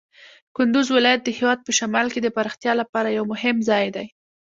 کندز ولایت د هېواد په شمال کې د پراختیا لپاره یو مهم ځای دی.